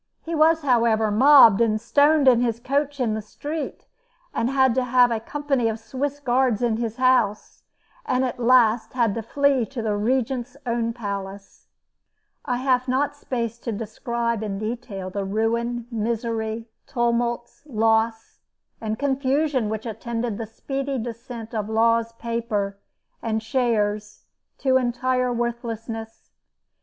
He was, however, mobbed and stoned in his coach in the street, had to have a company of Swiss Guards in his house, and at last had to flee to the Regent's own palace. I have not space to describe in detail the ruin, misery, tumults, loss and confusion which attended the speedy descent of Law's paper and shares to entire worthlessness.